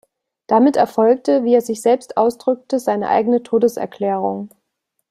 Damit erfolgte, wie er sich selbst ausdrückte, seine eigene Todeserklärung.